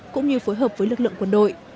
cũng như phối hợp với lực lượng quân đội